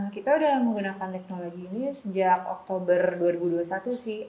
kita udah menggunakan teknologi ini sejak oktober dua ribu dua puluh satu sih